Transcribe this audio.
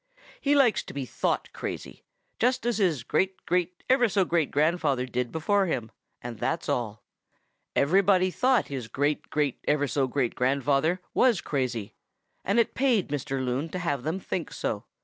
He likes to be thought crazy, just as his great great ever so great grandfather did before him, that's all. Everybody thought his great great ever so great grandfather was crazy, and it paid Mr. Loon to have them think so.